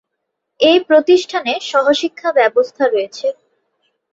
এ প্রতিষ্ঠানে সহ-শিক্ষা ব্যবস্থা রয়েছে।